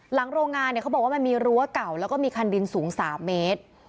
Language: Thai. หลังโรงงานเขาบอกว่ามันมีรั้วเก่าแล้วก็มีคันดินสูงสามเมตร